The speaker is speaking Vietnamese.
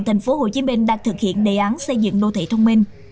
tp hcm đang thực hiện đề án xây dựng đô thị thông minh